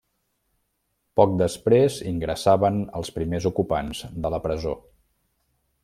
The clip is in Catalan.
Poc després ingressaven els primers ocupants de la presó.